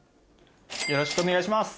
よろしくお願いします